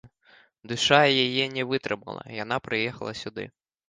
Душа яе не вытрымала, яна прыехала сюды.